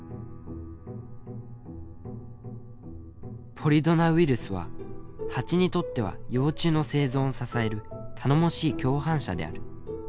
「ポリドナウイルスはハチにとっては幼虫の生存を支える頼もしい共犯者である。